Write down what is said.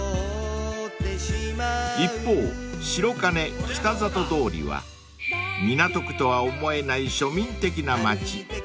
［一方白金北里通りは港区とは思えない庶民的な町］